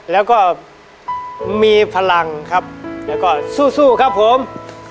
แล้วก็มีพลังครับแล้วก็สู้ครับผม